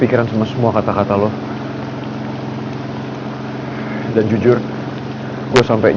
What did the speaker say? kalau lo juga bisa kayak ini